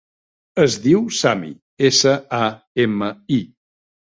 Es diu Sami: essa, a, ema, i.